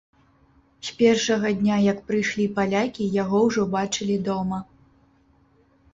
З першага дня, як прыйшлі палякі, яго ўжо бачылі дома.